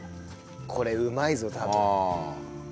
これうまいぞ多分。